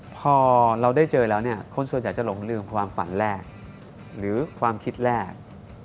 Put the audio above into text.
พอเราได้เจอแล้วเนี่ยคนส่วนใหญ่จะหลงลืมความฝันแรกหรือความคิดแรก